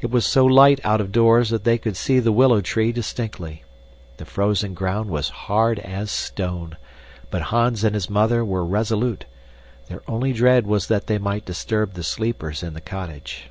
It was so light out of doors that they could see the willow tree distinctly. The frozen ground was hard as stone, but Hans and his mother were resolute. Their only dread was that they might disturb the sleepers in the cottage.